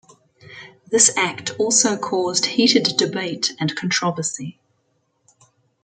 This act also caused heated debate and controversy.